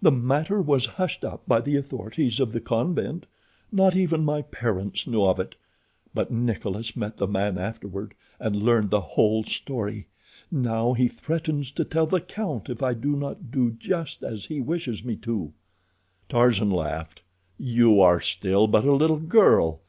"The matter was hushed up by the authorities of the convent. Not even my parents knew of it. But Nikolas met the man afterward, and learned the whole story. Now he threatens to tell the count if I do not do just as he wishes me to." Tarzan laughed. "You are still but a little girl.